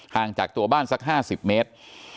ห่างจากตัวบ้านสัก๕๐เมตร